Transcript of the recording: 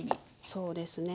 そうですね。